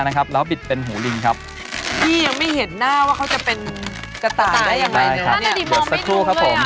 ได้ครับเดี๋ยวสักครู่ครับผม